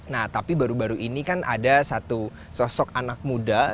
nah tapi baru baru ini kan ada satu sosok anak muda